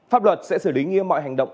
pháp luật sẽ xử lý nghiêm mọi hành động